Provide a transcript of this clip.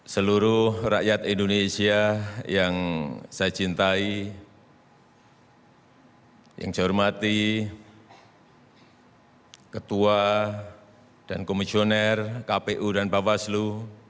seluruh rakyat indonesia yang saya cintai yang saya hormati ketua dan komisioner kpu dan bawaslu